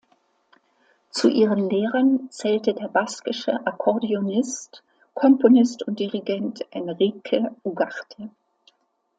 Zu ihren Lehrern zählte der baskische Akkordeonist, Komponist und Dirigent Enrique Ugarte.